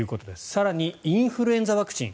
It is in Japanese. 更に、インフルエンザワクチン。